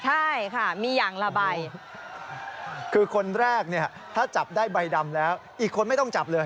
ใช่ค่ะมีอย่างละใบคือคนแรกเนี่ยถ้าจับได้ใบดำแล้วอีกคนไม่ต้องจับเลย